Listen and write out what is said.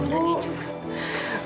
sebentar lagi juga